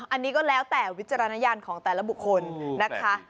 อันนี้ก็แล้วแต่วิจารณญาณของแต่ละบุคคลนะคะ